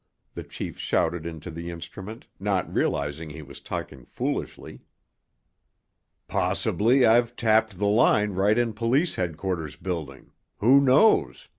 the chief shouted into the instrument, not realizing he was talking foolishly. "Possibly I've tapped the line right in police headquarters building—who knows?"